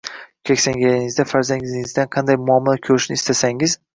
Keksayganingizda farzandingizdan qanday muomala ko‘rishni istasangiz